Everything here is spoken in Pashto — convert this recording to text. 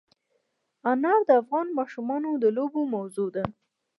انار د افغان ماشومانو د لوبو موضوع ده.